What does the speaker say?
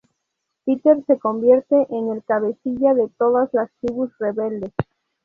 Peter se convierte en el cabecilla de todas las tribus rebeldes.